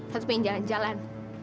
ratu pengen jalan jalan